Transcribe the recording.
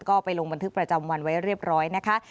ก็ไปลงบันทึกประจำวันไว้เรียบร้อยนะคะ